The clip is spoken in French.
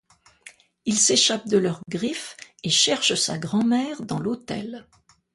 Il s'échappe de leurs griffes et cherche sa grand-mère dans l'hôtel.